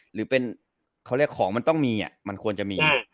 หรือเป็นของมันต้องมีมันควรจะมี